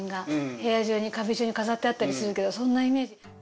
部屋中に壁中に飾ってあったりするけどそんなイメージ。